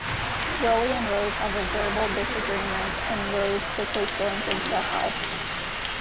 Willie and Rose have a verbal disagreement and Rose quickly storms into the house.